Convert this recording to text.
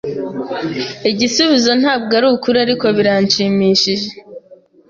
Igisubizo ntabwo arukuri, ariko biranshimishije.